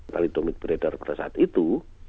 palidomid beredar pada saat itu